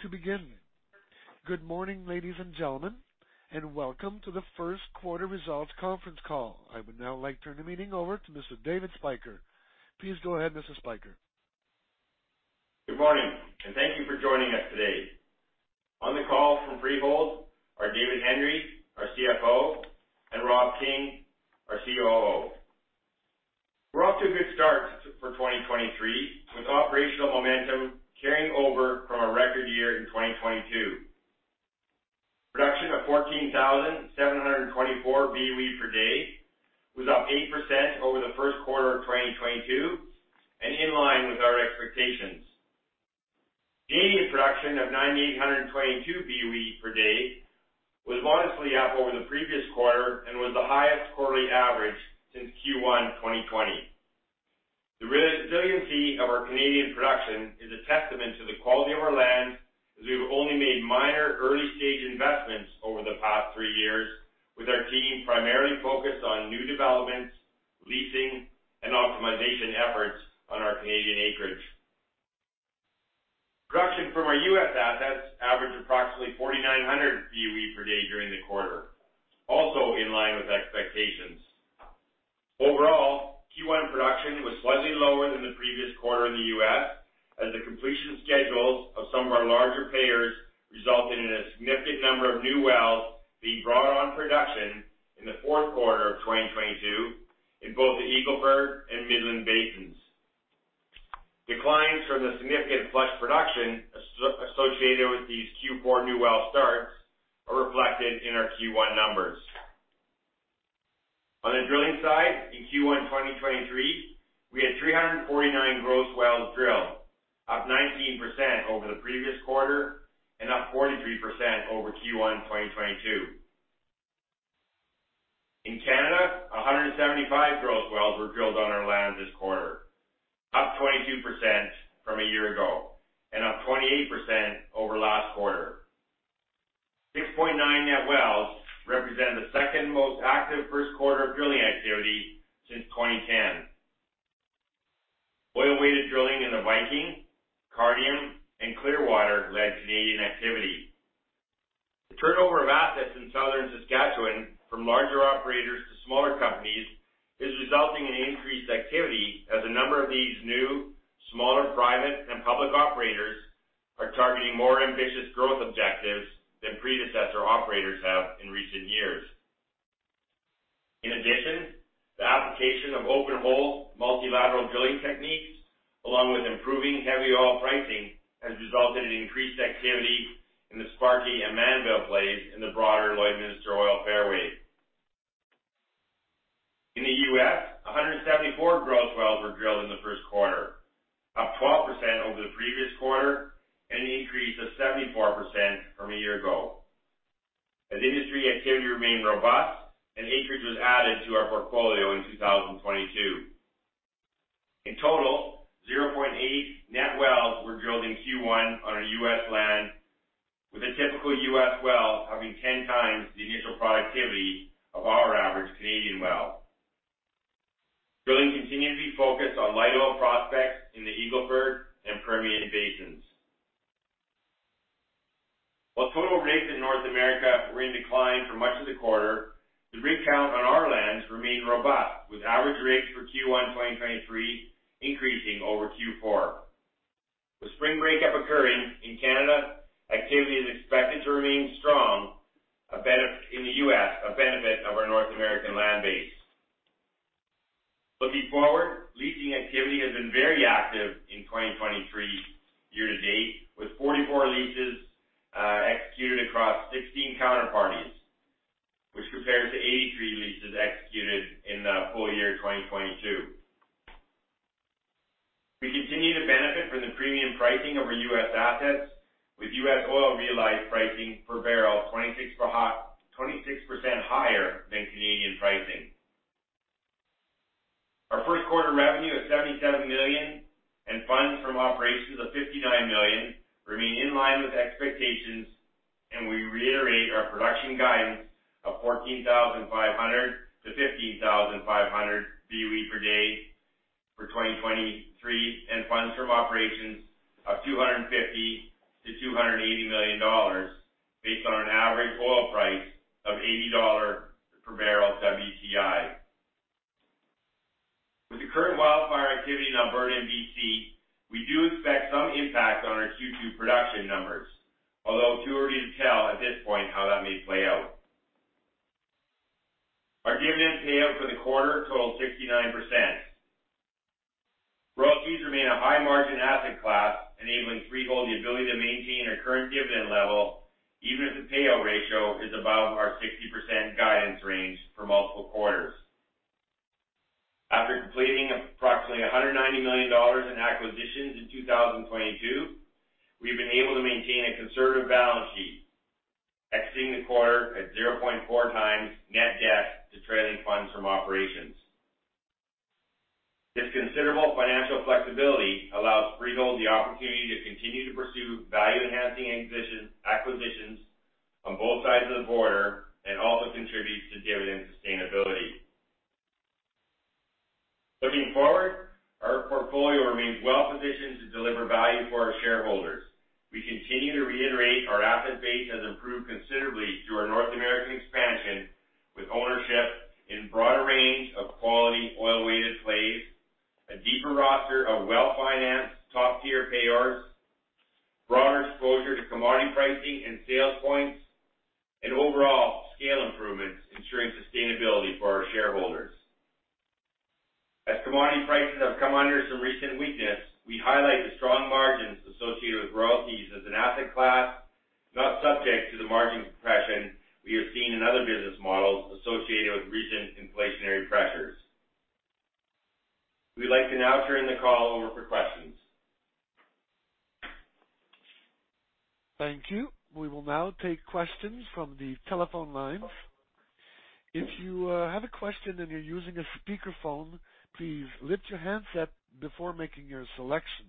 To begin. Good morning, ladies and gentlemen, and welcome to the first quarter results conference call. I would now like to turn the meeting over to Mr. David Spyker. Please go ahead, Mr. Spyker. Good morning, thank you for joining us today. On the call from Freehold are David Hendry, our CFO, and Rob King, our COO. We're off to a good start for 2023, with operational momentum carrying over from our record year in 2022. Production of 14,724 BOE per day was up 8% over the first quarter of 2022 and in line with our expectations. Canadian production of 9,822 BOE per day was modestly up over the previous quarter and was the highest quarterly average since Q1 2020. The resiliency of our Canadian production is a testament to the quality of our land, as we've only made minor early-stage investments over the past three years, with our team primarily focused on new developments, leasing, and optimization efforts on our Canadian acreage. Production from our U.S. assets averaged approximately 4,900 BOE per day during the quarter, also in line with expectations. Overall, Q1 production was slightly lower than the previous quarter in the U.S. as the completion schedules of some of our larger payers resulted in a significant number of new wells being brought on production in the fourth quarter of 2022 in both the Eagle Ford and Midland Basins. Declines from the significant flush production associated with these Q4 new well starts are reflected in our Q1 numbers. On the drilling side, in Q1 2023, we had 349 gross wells drilled, up 19% over the previous quarter and up 43% over Q1 2022. In Canada, 175 gross wells were drilled on our land this quarter, up 22% from a year ago and up 28% over last quarter. 6.9 net wells represent the second most active first quarter of drilling activity since 2010. Oil-weighted drilling in the Viking, Cardium, and Clearwater led Canadian activity. The turnover of assets in southern Saskatchewan from larger operators to smaller companies is resulting in increased activity as a number of these new, smaller, private, and public operators are targeting more ambitious growth objectives than predecessor operators have in recent years. In addition, the application of open-hole multilateral drilling techniques, along with improving heavy oil pricing, has resulted in increased activity in the Sparky and Manville plays in the broader Lloydminster Oil Fairway. In the U.S., 174 gross wells were drilled in the first quarter, up 12% over the previous quarter and an increase of 74% from a year ago as industry activity remained robust and acreage was added to our portfolio in 2022. In total, 0.8 net wells were drilled in Q1 on our U.S. land, with a typical U.S. well having 10x the initial productivity of our average Canadian well. Drilling continued to be focused on light oil prospects in the Eagle Ford and Permian Basins. While total rigs in North America were in decline for much of the quarter, the rig count on our lands remained robust, with average rigs for Q1 2023 increasing over Q4. With spring breakup occurring in Canada, activity is expected to remain strong, in the U.S., a benefit of our North American land base. Looking forward, leasing activity has been very active in 2023 year to date, with 44 leases executed across 16 counterparties, which compares to 83 leases executed in the full year 2022. We continue to benefit from the premium pricing of our U.S. assets with U.S. oil realized pricing per barrel 26% higher than Canadian pricing. Our first quarter revenue of 77 million and Funds from Operations of 59 million remain in line with expectations, and we reiterate our production guidance of 14,500-15,500 BOE per day for 2023 and Funds from Operations of 250 million-280 million dollars based on an average oil price of $80 per barrel WTI. With the current wildfire activity in Alberta and BC, we do expect some impact on our Q2 production numbers, although too early to tell at this point how that may play out. Our dividend payout for the quarter totaled 69%. Royalties remain a high-margin asset class, enabling Freehold the ability to maintain our current dividend level, even if the payout ratio is above our 60% guidance range for multiple quarters. After completing approximately 190 million dollars in acquisitions in 2022, we've been able to maintain a conservative balance sheet, exiting the quarter at 0.4x net debt to trailing Funds from Operations. This considerable financial flexibility allows Freehold the opportunity to continue to pursue value-enhancing acquisitions on both sides of the border and also contributes to dividend sustainability. Looking forward, our portfolio remains well positioned to deliver value for our shareholders. We continue to reiterate our asset base has improved considerably through our North American expansion, with ownership in broader range of quality oil-weighted plays, a deeper roster of well-financed top-tier payers, broader exposure to commodity pricing and sales points, and overall scale improvements ensuring sustainability for our shareholders. As commodity prices have come under some recent weakness, we highlight the strong margins associated with royalties as an asset class, not subject to the margin compression we have seen in other business models associated with recent inflationary pressures. We'd like to now turn the call over for questions. Thank you. We will now take questions from the telephone lines. If you have a question and you're using a speakerphone, please lift your handset before making your selection.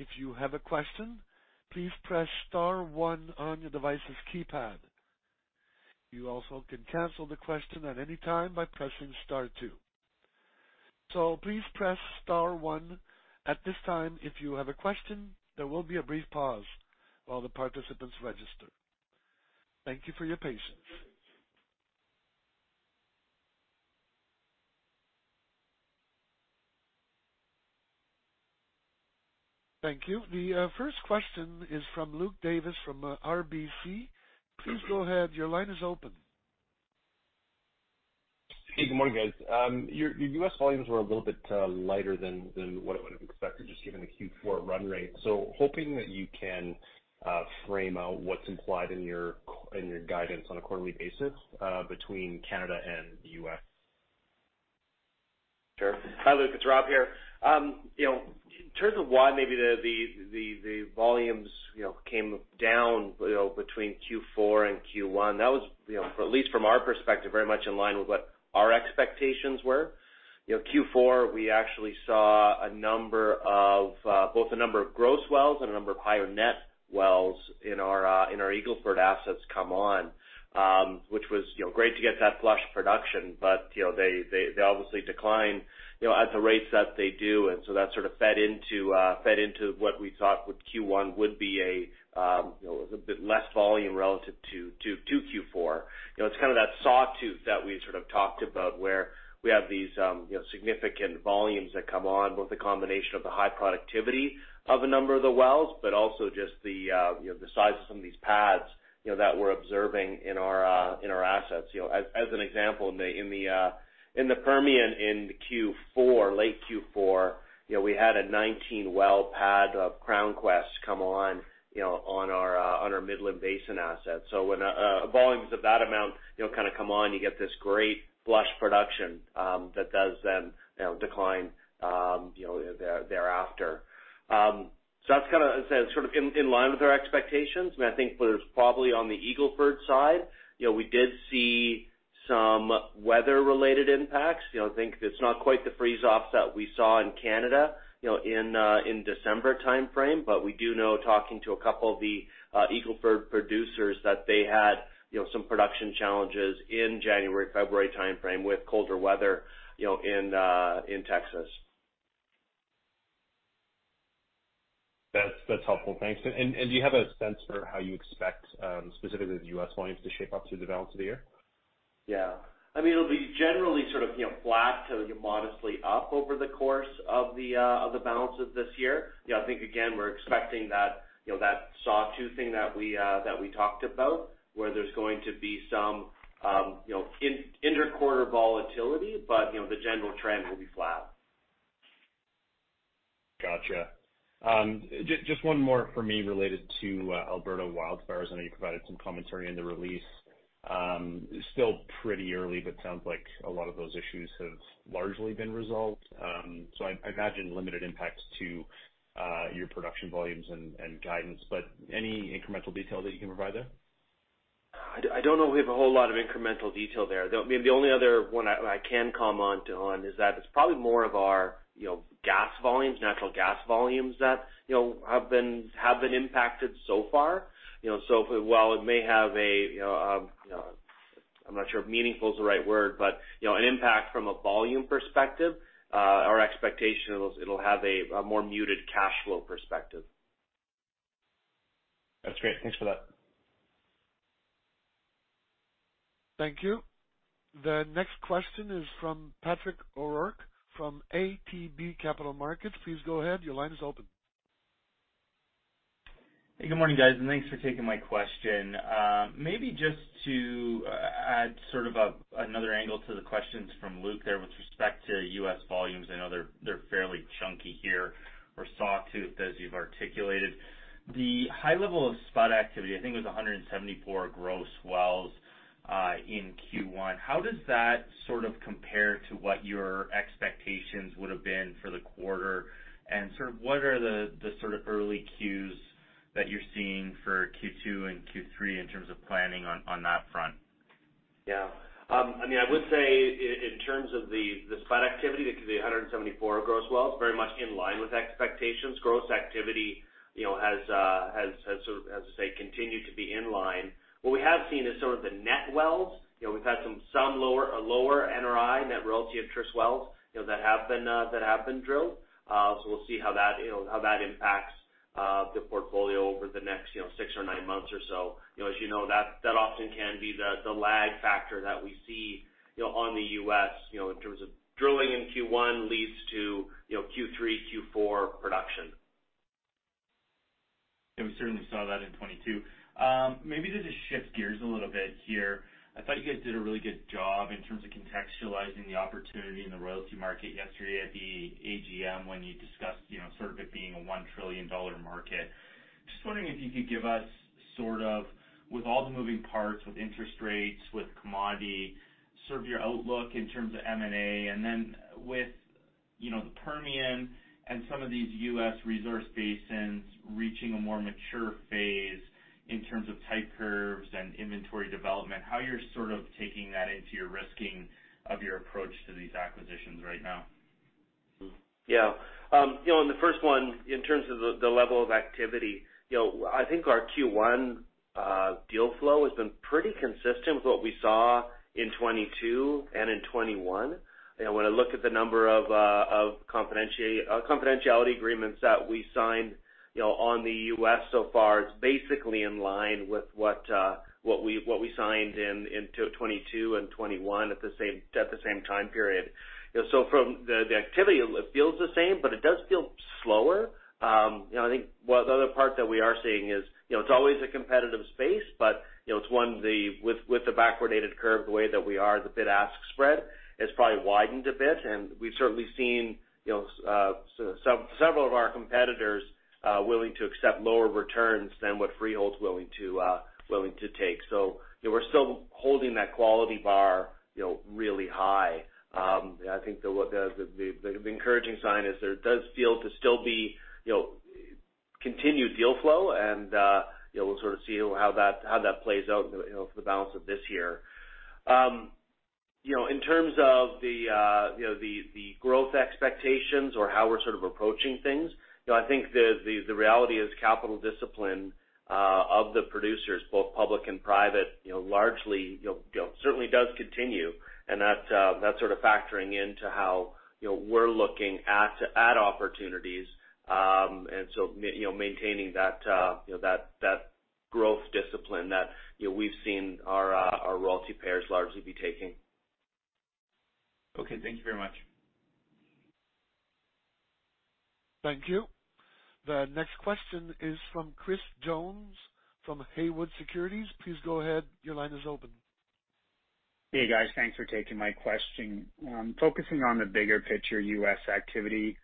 If you have a question, please press star one on your device's keypad. You also can cancel the question at any time by pressing star two. Please press star one at this time if you have a question. There will be a brief pause while the participants register. Thank you for your patience. Thank you. The first question is from Luke Davis from RBC. Please go ahead. Your line is open. Hey, good morning, guys. Your U.S. volumes were a little bit lighter than what I would have expected, just given the Q4 run rate. Hoping that you can frame out what's implied in your guidance on a quarterly basis between Canada and the U.S. Sure. Hi, Luke. It's Rob here. You know, in terms of why maybe the volumes, you know, came down, you know, between Q4 and Q1, that was, you know, at least from our perspective, very much in line with what our expectations were. You know, Q4, we actually saw a number of both a number of gross wells and a number of higher net wells in our Eagle Ford assets come on, which was, you know, great to get that flush production. You know, they obviously decline, you know, at the rates that they do. That sort of fed into fed into what we thought with Q1 would be a, you know, a bit less volume relative to Q4. You know, it's kinda that sawtooth that we sort of talked about, where we have these, you know, significant volumes that come on with the combination of the high productivity of a number of the wells, but also just the, you know, the size of some of these pads, you know, that we're observing in our assets. As an example, in the, in the Permian, in the Q4, late Q4, we had a 19-well pad of CrownQuest come on, you know, on our Midland Basin assets. When volumes of that amount, you know, kinda come on, you get this great flush production that does then, you know, decline, you know, thereafter. That's kinda as I said, sort of in line with our expectations. I think where it's probably on the Eagle Ford side, you know, we did see some weather-related impacts. You know, I think it's not quite the freeze-offs that we saw in Canada, you know, in December timeframe, but we do know, talking to a couple of the Eagle Ford producers, that they had, you know, some production challenges in January-February timeframe with colder weather, you know, in Texas. That's helpful. Thanks. Do you have a sense for how you expect specifically the U.S. volumes to shape up through the balance of the year? Yeah. I mean, it'll be generally sort of, you know, flat to modestly up over the course of the balance of this year. I think again, we're expecting that, you know, that sawtooth thing that we talked about, where there's going to be some, you know, interquarter volatility, but, you know, the general trend will be flat. Gotcha. Just one more for me related to Alberta wildfires. I know you provided some commentary in the release. Still pretty early, but sounds like a lot of those issues have largely been resolved. So I imagine limited impact to your production volumes and guidance. Any incremental detail that you can provide there? I don't know if we have a whole lot of incremental detail there. I mean, the only other one I can comment on is that it's probably more of our, you know, gas volumes, natural gas volumes that, you know, have been impacted so far. While it may have a, you know, I'm not sure if meaningful is the right word, but, you know, an impact from a volume perspective, our expectation, it'll have a more muted cash flow perspective. That's great. Thanks for that. Thank you. The next question is from Patrick O'Rourke from ATB Capital Markets. Please go ahead. Your line is open. Hey, good morning, guys. Thanks for taking my question. Maybe just to add sort of another angle to the questions from Luke there with respect to U.S. volumes. I know they're fairly chunky here or sawtooth, as you've articulated. The high level of spot activity, I think it was 174 gross wells in Q1. How does that sort of compare to what your expectations would have been for the quarter? Sort of what are the sort of early cues that you're seeing for Q2 and Q3 in terms of planning on that front? I mean, I would say in terms of the spot activity, the 174 gross wells, very much in line with expectations. Gross activity, you know, has sort of, as I say, continued to be in line. What we have seen is sort of the net wells. You know, we've had some lower NRI, net royalty interest wells, you know, that have been drilled. We'll see how that, you know, how that impacts the portfolio over the next, you know, six or nine months or so. You know, as you know, that often can be the lag factor that we see, you know, on the U.S., you know, in terms of drilling in Q1 leads to, you know, Q3, Q4 production. We certainly saw that in 22. Maybe to just shift gears a little bit here. I thought you guys did a really good job in terms of contextualizing the opportunity in the royalty market yesterday at the AGM when you discussed, you know, sort of it being a CAD 1 trillion market. Just wondering if you could give us sort of, with all the moving parts, with interest rates, with commodity, sort of your outlook in terms of M&A. Then with, you know, the Permian and some of these U.S. resource basins reaching a more mature phase in terms of type curves and inventory development, how you're sort of taking that into your risking of your approach to these acquisitions right now. Yeah. You know, in the first one, in terms of the level of activity, you know, I think our Q1 deal flow has been pretty consistent with what we saw in 2022 and in 2021. You know, when I look at the number of confidentiality agreements that we signed, you know, on the U.S. so far, it's basically in line with what we signed in 2022 and 2021 at the same time period. You know, so from the activity, it feels the same, but it does feel slower. You know, I think one of the other parts that we are seeing is, you know, it's always a competitive space, but, you know, it's one with the backwardated curve the way that we are, the bid-ask spread has probably widened a bit. We've certainly seen, you know, several of our competitors willing to accept lower returns than what Freehold's willing to take. We're still holding that quality bar, you know, really high. I think what the encouraging sign is there does feel to still be, you know, continued deal flow, and, you know, we'll sort of see how that, how that plays out, you know, for the balance of this year. You know, in terms of the, you know, the growth expectations or how we're sort of approaching things, you know, I think the reality is capital discipline of the producers, both public and private, you know, largely, you know, certainly does continue. That's sort of factoring into how, you know, we're looking at to add opportunities, and so you know, maintaining that, you know, that growth discipline that, you know, we've seen our royalty payers largely be taking. Okay. Thank you very much. Thank you. The next question is from Christopher Jones from Haywood Securities. Please go ahead, your line is open. Hey, guys. Thanks for taking my question. Focusing on the bigger picture U.S. activity,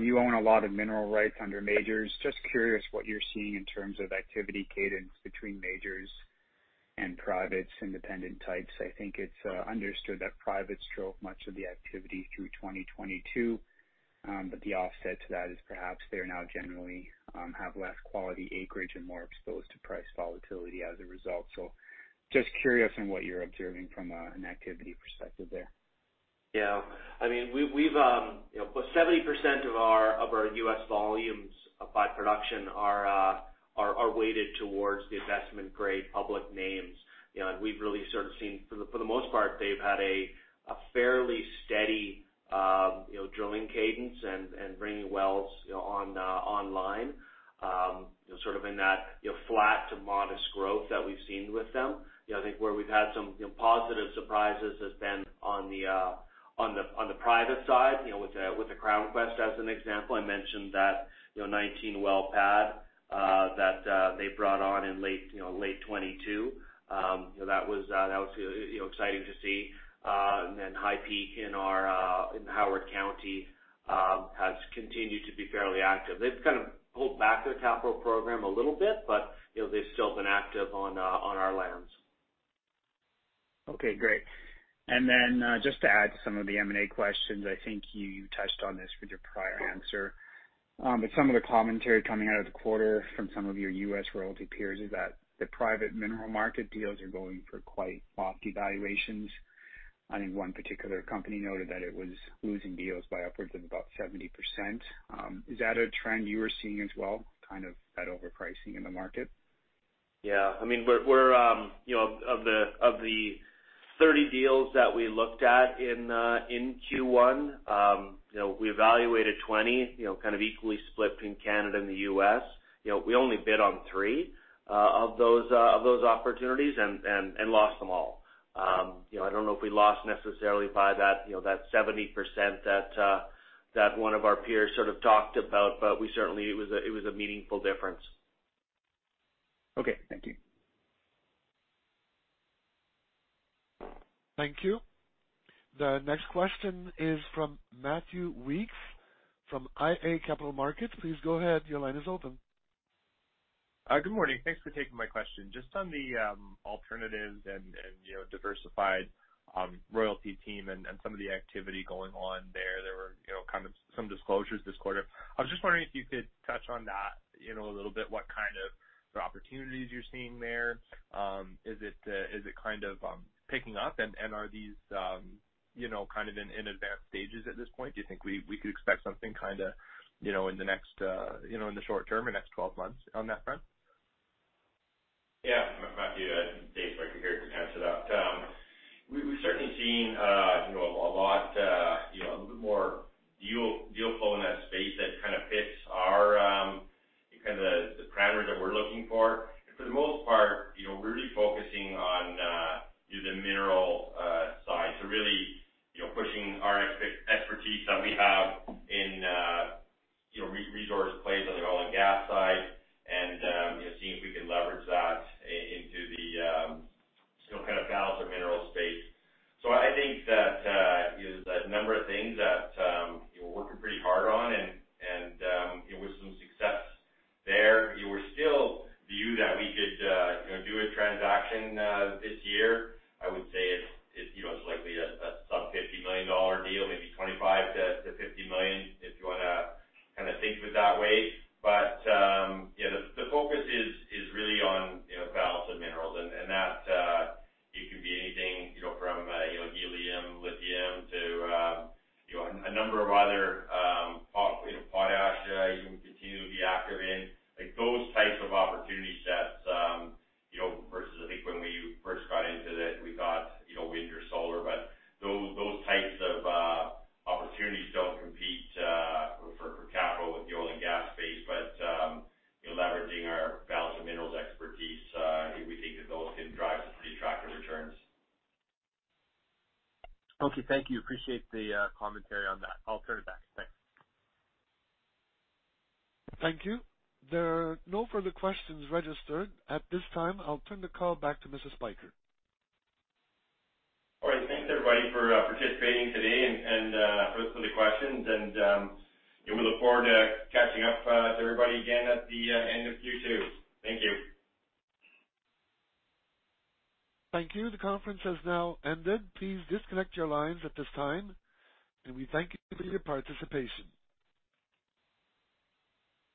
you own a lot of mineral rights under majors. Just curious what you're seeing in terms of activity cadence between majors and privates, independent types. I think it's understood that privates drove much of the activity through 2022. The offset to that is perhaps they are now generally have less quality acreage and more exposed to price volatility as a result. Just curious on what you're observing from an activity perspective there. I mean, we've, you know, but 70% of our, of our U.S. volumes by production are weighted towards the investment-grade public names. You know, and we've really sort of seen for the, for the most part, they've had a fairly steady, you know, drilling cadence and bringing wells, you know, on online, you know, sort of in that, you know, flat to modest growth that we've seen with them. You know, I think where we've had some, you know, positive surprises has been on the private side, you know, with the CrownQuest as an example. I mentioned that, you know, 19-well pad that they brought on in late, you know, late 2022. You know, that was exciting to see. HighPeak Energy in our, in Howard County, has continued to be fairly active. They've kind of pulled back their capital program a little bit, but, you know, they've still been active on our lands. Okay. Great. Just to add to some of the M&A questions, I think you touched on this with your prior answer. Some of the commentary coming out of the quarter from some of your U.S. royalty peers is that the private mineral market deals are going for quite lofty valuations. I think one particular company noted that it was losing deals by upwards of about 70%. Is that a trend you are seeing as well, kind of that overpricing in the market? I mean, we're, you know, of the 30 deals that we looked at in Q1, you know, we evaluated 20, you know, kind of equally split between Canada and the U.S. We only bid on 3 of those opportunities and lost them all. You know, I don't know if we lost necessarily by that, you know, that 70% that one of our peers sort of talked about, but we certainly, it was a meaningful difference. Okay. Thank you. Thank you. The next question is from Matthew Weekes from iA Capital Markets. Please go ahead, your line is open. Good morning. Thanks for taking my question. Just on the alternatives and, you know, diversified royalty team and some of the activity going on there were, you know, kind of some disclosures this quarter. I was just wondering if you could touch on that, you know, a little bit, what kind of the opportunities you're seeing there. Is it kind of picking up? Are these, you know, kind of in advanced stages at this point? Do you think we could expect something kinda, you know, in the next, you know, in the short term or next 12 months on that front? Yeah. Matthew, Dave Spyker here from Freehold. We've certainly seen, you know, a lot, you know, a little bit more deal flow in that space that kind of fits our kind of the parameters that we're looking for. For the most part, Thank you. The conference has now ended. Please disconnect your lines at this time, and we thank you for your participation.